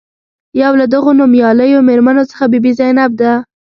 یو له دغو نومیالیو میرمنو څخه بي بي زینب ده.